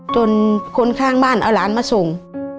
จนคนข้างบ้านเอาหลานมาส่ง